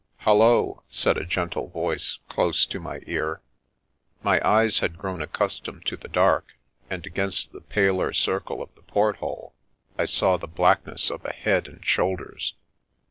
" Hullo !" said a gentle voice close to my ear. My eyes had grown accustomed to the dark, 2 against the paler circle of the port hole I saw the bla ness of a head and shoulders.